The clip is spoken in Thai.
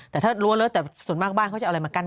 แต่ถ้ารู้เรียกแล้วส่วนมากบ้านเขาจะเอาอะไร